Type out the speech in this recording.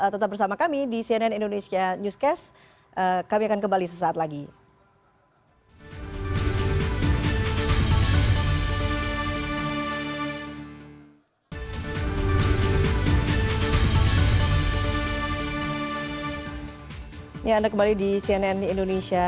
tetap bersama kami di cnn indonesia